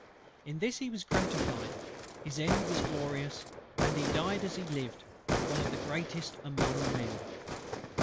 In this he was gratified: his end was glorious; and he died as he had lived, one of the greatest among men.